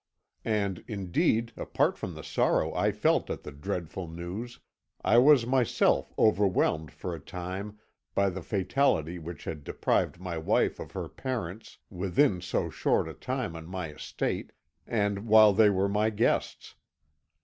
And, indeed, apart from the sorrow I felt at the dreadful news, I was myself overwhelmed for a time by the fatality which had deprived my wife of her parents within so short a time on my estate, and while they were my guests.